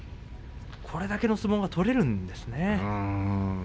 これだけの相撲が取れるんですね。